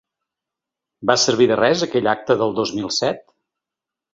Va servir de res aquell acte del dos mil set?